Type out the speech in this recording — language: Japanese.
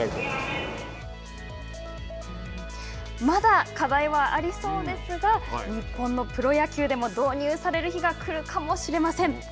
まだ課題はありそうですが日本のプロ野球でも導入される日が来るかもしれません。